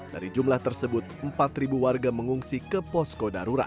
dari jumlah tersebut empat warga mengungsi ke posko darurat